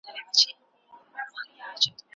ايا حضوري ټولګي د ګډې زده کړې فضا رامنځته کوي؟